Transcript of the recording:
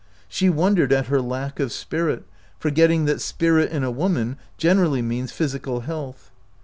She wondered at her lack of spirit, forgetting that spirit in a woman generally means physical health.